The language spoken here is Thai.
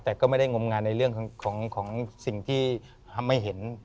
แต่ก็ไม่ได้งมงายในเรื่องของสิ่งที่ทำให้เห็น